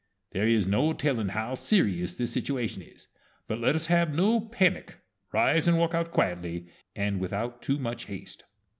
There is no telling how serious this situation is; but let us have no panic. Rise and walk out quietly, and without too much haste."